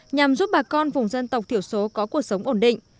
nhằm giúp bà con vùng dân tộc thiểu số có cuộc sống ổn định